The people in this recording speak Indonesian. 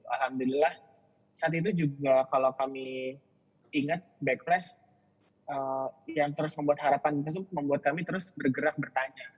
alhamdulillah saat itu juga kalau kami ingat back flash yang terus membuat harapan itu membuat kami terus bergerak bertanya